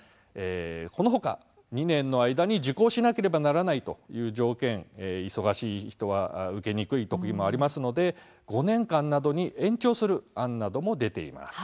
このほか２年の間に受講しなければならないという条件は忙しい人は受けにくいときもありますので５年間などに延長する案なども出ています。